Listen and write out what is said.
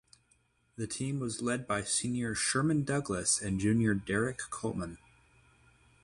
The team was led by senior Sherman Douglas and junior Derrick Coleman.